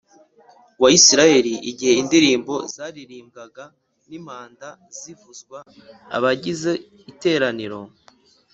Wa isirayeli igihe indirimbo zaririmbwaga n n impanda zivuzwa abagize iteraniro